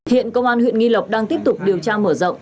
hiện công an huyện nghi lộc đang tiếp tục điều tra mở rộng